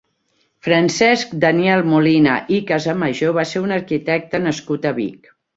Francesc Daniel Molina i Casamajó va ser un arquitecte nascut a Vic.